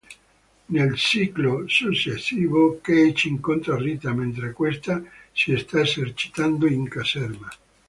Nel ciclo successivo Cage incontra Rita mentre questa si sta esercitando in caserma.